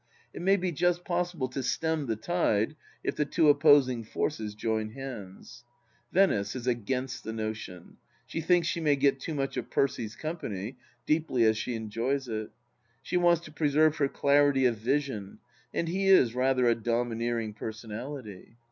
It may be just possible to stem the tide if the two opposing forces join hands ! Venice is against the notion. She thinks she may get too much of Percy's company, deeply as she enjoys it. She wants to preserve her clarity of vision, and he is rather a domineering personality.